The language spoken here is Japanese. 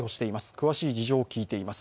詳しい事情を聴いています。